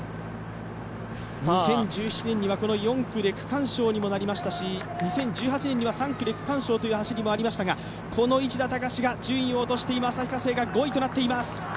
２０１７年にはこの４区で区間賞にもなりましたし、２０１８年には３区で区間賞という走りもありましたがこの市田孝が順位を落として５位となっています。